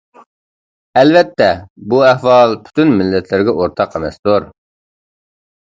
ئەلۋەتتە، بۇ ئەھۋال پۈتۈن مىللەتلەرگە ئورتاق ئەمەستۇر.